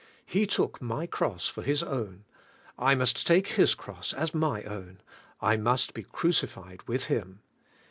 He took my cross for His own; I must take His Cross as my own; I must be crucified with Him.